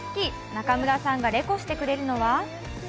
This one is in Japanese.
中村さんがレコしてくれるのは？